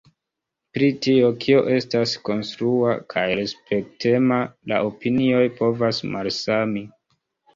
Pri tio kio estas konstrua kaj respektema la opinioj povas malsami.